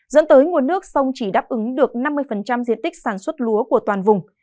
dẫn tới nguồn nước sông chỉ đáp ứng được năm mươi diện tích sản xuất lúa của toàn vùng